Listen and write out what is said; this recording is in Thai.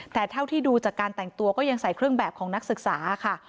แต่เท่าที่ดูจากการแต่งตัวก็ยังใส่เครื่องแบบของนักศึกษาค่ะ